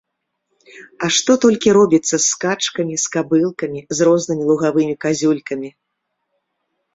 А што толькі робіцца з скачкамі, з кабылкамі, з рознымі лугавымі казюлькамі!